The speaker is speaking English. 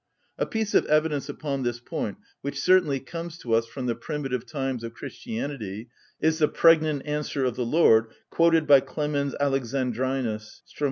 A piece of evidence upon this point, which certainly comes to us from the primitive times of Christianity, is the pregnant answer of the Lord, quoted by Clemens Alexandrinus (_Strom.